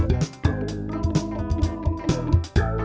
อย่างนี้๒วันก็แล้ว